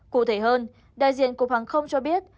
cụ thể hơn đại diện cục hàng không cho biết